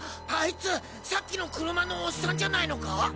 あいつさっきの車のおっさんじゃないのか？